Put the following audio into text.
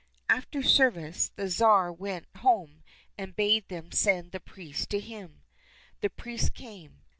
After service the Tsar went home, and bade them send the priest to him. The priest came.